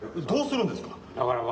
どうするんですか？